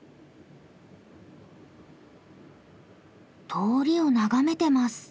通りを眺めてます。